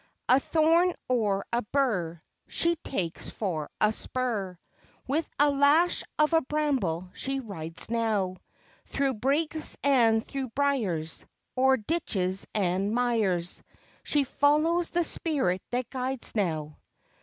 A thorn or a bur She takes for a spur; With a lash of a bramble she rides now, Through brakes and through briars, O'er ditches and mires, She follows the spirit that guides now.